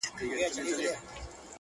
چي زه تورنه ته تورن سې گرانه ـ